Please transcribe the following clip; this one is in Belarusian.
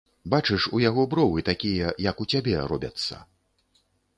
Бачыш, у яго бровы такія, як у цябе, робяцца.